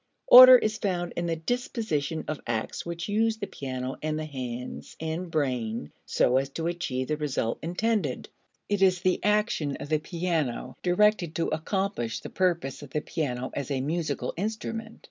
Order is found in the disposition of acts which use the piano and the hands and brain so as to achieve the result intended. It is the action of the piano directed to accomplish the purpose of the piano as a musical instrument.